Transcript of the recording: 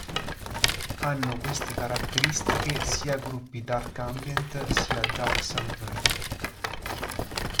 Hanno queste caratteristiche sia gruppi dark ambient sia Dark Sanctuary.